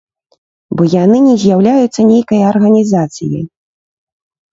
Бо яны не з'яўляюцца нейкай арганізацыяй.